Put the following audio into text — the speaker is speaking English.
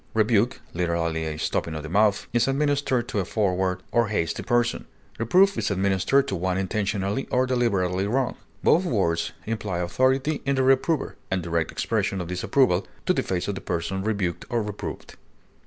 Rebuke, literally a stopping of the mouth, is administered to a forward or hasty person; reproof is administered to one intentionally or deliberately wrong; both words imply authority in the reprover, and direct expression of disapproval to the face of the person rebuked or reproved.